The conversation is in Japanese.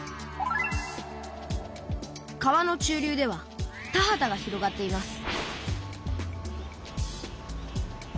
川の中流では田畑が広がっています